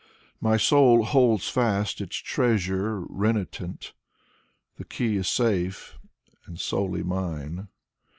My soul holds fast its treasure renitent, The key is safe and solely mine.